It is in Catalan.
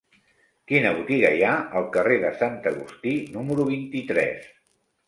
Quina botiga hi ha al carrer de Sant Agustí número vint-i-tres?